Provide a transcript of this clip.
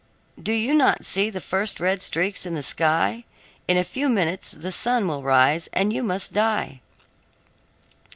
Do you not see the first red streaks in the sky? In a few minutes the sun will rise, and you must die."